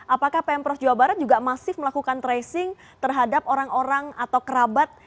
apakah pemprov jawa barat juga masif melakukan tracing terhadap orang orang atau kerabat